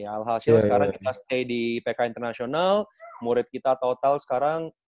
alhasil sekarang kita stay di pk international murid kita total sekarang